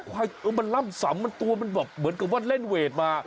มันล่ำสำมันตัวเหมือนกับเวทเล่นมา